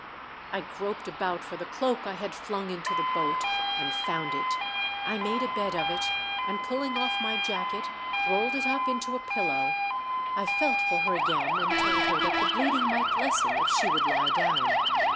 I groped about for the cloak I had flung into the boat, and found it , I made a bed of it, and pulling off my jacket rolled it up into a pillow. I felt for her again, and told her that the bleeding might lessen if she would lie down.